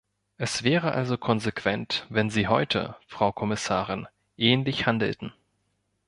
Es wäre also konsequent, wenn Sie heute, Frau Kommissarin, ähnlich handelten.